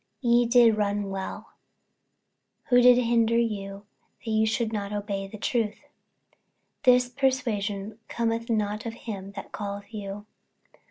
48:005:007 Ye did run well; who did hinder you that ye should not obey the truth? 48:005:008 This persuasion cometh not of him that calleth you.